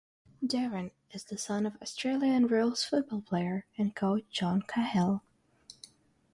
Darren is the son of Australian rules football player and coach John Cahill.